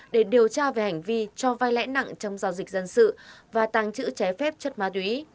để điều tra về hành vi cho vai lãi nặng trong giao dịch dân sự và tàng trữ trái phép chất ma túy